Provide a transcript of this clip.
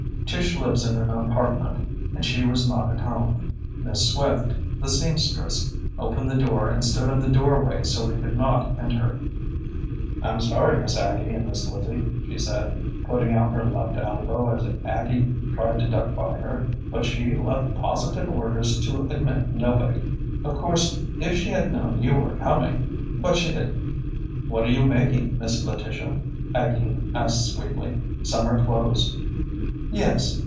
Tish lives in an apartment, and she was not at home. Miss Swift, the seamstress, opened the door and stood in the doorway so we could not enter. "I'm sorry, Miss Aggie and Miss Lizzie," she said, putting out her left elbow as Aggie tried to duck by her; "but she left positive orders to admit nobody. Of course if she had known you were coming but she didn't." "What are you making, Miss Letitia?" Aggie asked sweetly. "Summer clothes?" "Yes.